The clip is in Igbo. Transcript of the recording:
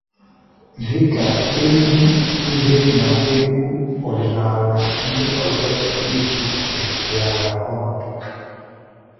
dịka égwu ùhiè na egwu ọdịnala ndị ọzọ dị icheiche wèghààrà ọnọdụ